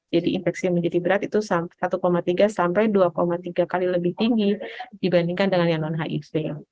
jadi infeksi yang menjadi berat itu satu tiga sampai dua tiga kali lebih tinggi dibandingkan dengan yang non hiv